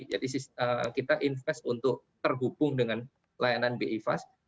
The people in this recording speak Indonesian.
jadi kita invest untuk terhubung dengan layanan bi fast